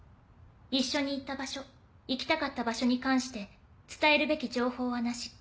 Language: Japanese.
一緒に行った場所行きたかった場所に関して伝えるべき情報はなし。